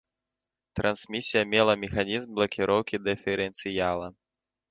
Трансмісія мела механізм блакіроўкі дыферэнцыяла.